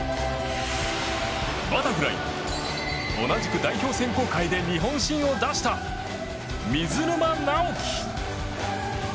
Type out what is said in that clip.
バタフライ、同じく代表選考会で日本新を出した水沼尚輝。